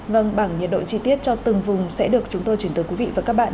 vâng bảng nhiệt độ chi tiết cho từng vùng sẽ được chúng tôi chuyển tới quý vị và các bạn